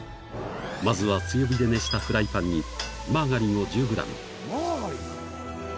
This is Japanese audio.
まずは強火で熱したフライパンにマーガリンなんだ。